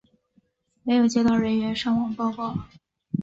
没有接到人员伤亡报告。